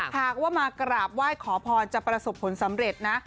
หากว่ามากราบไหว้ขอพรจะประสบผลสำเร็จนะ